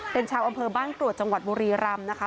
เป็นชาวอำเภอบ้านกรวดจังหวัดบุรีรำนะคะ